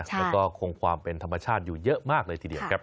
แล้วก็คงความเป็นธรรมชาติอยู่เยอะมากเลยทีเดียวครับ